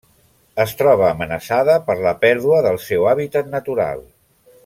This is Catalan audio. Es troba amenaçada per la pèrdua del seu hàbitat natural.